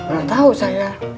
gak tau saya